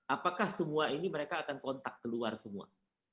apakah semua ini mereka akan kontak keluar semua